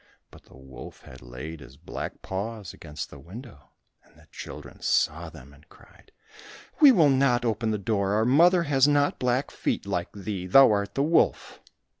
But the wolf had laid his black paws against the window, and the children saw them and cried, "We will not open the door, our mother has not black feet like thee; thou art the wolf."